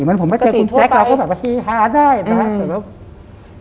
มันผมไม่เจอคุณแจ๊คเราก็แบบว่าทีฮาได้นะฮะแบบว่าปกติทั่วไป